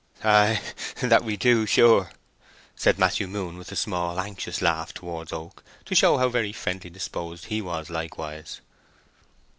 "Ay, that we do, sure," said Matthew Moon, with a small anxious laugh towards Oak, to show how very friendly disposed he was likewise.